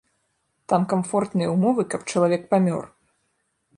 Там камфортныя ўмовы, каб чалавек памёр.